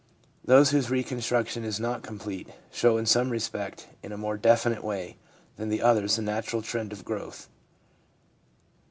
Those whose reconstruction is not complete show in some respects in a more definite way than the others the natural trend of growth.